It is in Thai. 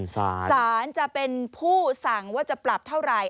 สารจะเป็นผู้สั่งว่าจะปรับเท่าไหร่